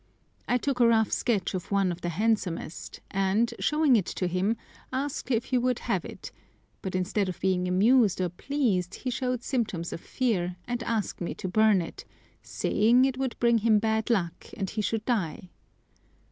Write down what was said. I took a rough sketch of one of the handsomest, and, showing it to him, asked if he would have it, but instead of being amused or pleased he showed symptoms of fear, and asked me to burn it, saying it would bring him bad luck and he should die.